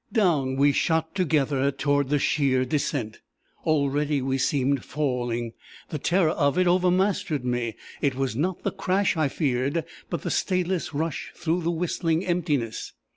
Down we shot together toward the sheer descent. Already we seemed falling. The terror of it over mastered me. It was not the crash I feared, but the stayless rush through the whistling emptiness.